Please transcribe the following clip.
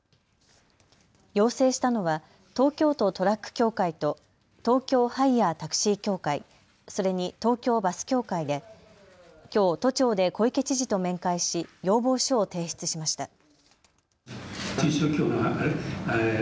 要請したのは東京都トラック協会と東京ハイヤー・タクシー協会、それに東京バス協会できょう都庁で小池知事と面会し要望書を提出しました。